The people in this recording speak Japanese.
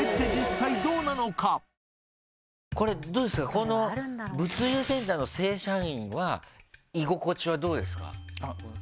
この物流センターの正社員は居心地はどうですか？